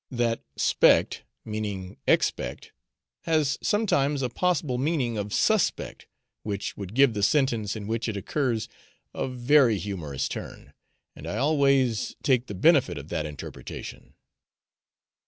That 'spect, meaning _ex_pect, has sometimes a possible meaning of _sus_pect, which would give the sentence in which it occurs a very humorous turn, and I always take the benefit of that interpretation.